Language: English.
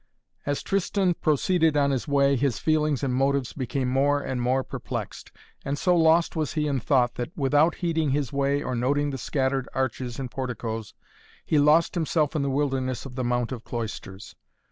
As Tristan proceeded on his way his feelings and motives became more and more perplexed, and so lost was he in thought that, without heeding his way or noting the scattered arches and porticoes, he lost himself in the wilderness of the Mount of Cloisters.